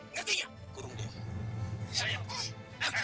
ngerti ya kurung buah